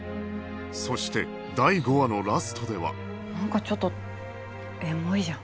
そして第５話のラストではなんかちょっとエモいじゃん。